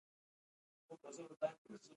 آب وهوا د افغانانو د فرهنګي پیژندنې برخه ده.